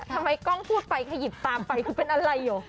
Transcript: ทำไมกองพูดไปขยิบตามไปคือเป็นอะไรโห